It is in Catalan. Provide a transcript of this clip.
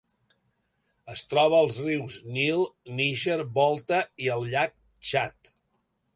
Es troba als rius Nil, Níger, Volta, i al llac Txad.